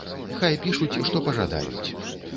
Хай пішуць, што пажадаюць.